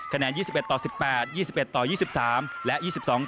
คะแนน๒๑๑๘๒๑๒๓และ๒๒๒๐